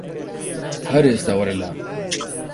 هەر ئیستا وەرە لام